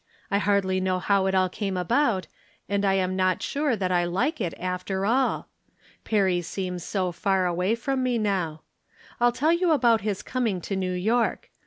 I hardly know how it all came about, and I am not sure that I Hke it, after all. Perry seems so far away from me now. I'U tell you about his coming to New York.